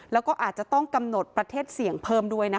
แล้วก็อาจจะต้องกำหนดประเทศเสี่ยงเพิ่มด้วยนะคะ